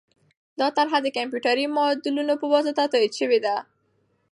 دا طرحه د کمپیوټري ماډلونو په واسطه تایید شوې ده.